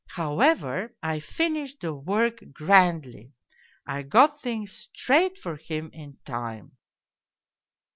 However, I finished the work grandly. I got things straight for him in time.